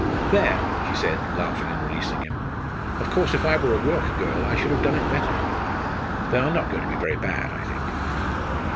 "There," she said, laughing and releasing him. "Of course, if I were a work girl I should have done it better. They are not going to be very bad, I think."